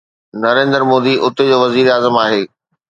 نريندر مودي اتي جو وزيراعظم آهي.